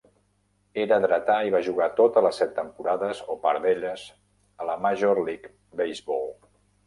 Era dretà i va jugar totes les set temporades o part d'elles a la Major League Baseball.